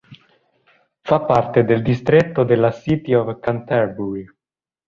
Fa parte del distretto della City of Canterbury.